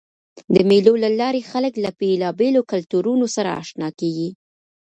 د مېلو له لاري خلک له بېلابېلو کلتورونو سره اشنا کېږي.